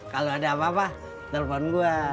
kalau ada apa apa telepon gua